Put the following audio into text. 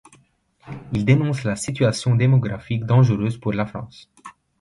Il dénonce la situation démographique dangereuse pour la France.